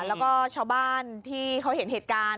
แล้วก็ชาวบ้านที่เขาเห็นเหตุการณ์